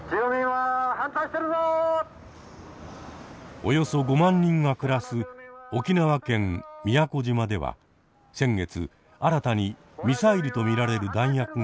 およそ５万人が暮らす沖縄県宮古島では先月新たにミサイルと見られる弾薬が運び込まれました。